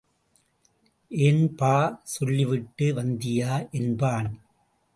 ஏன் பா சொல்லிவிட்டு வந்தியா? என்பான்.